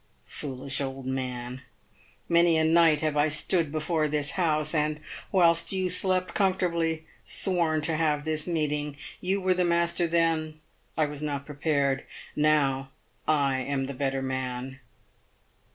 Foolish old man. Many a night have I stood before this house, and, w r hilst you slept comfortably, sworn to have this meeting. You were the master then. I was not prepared. Now I am the better man."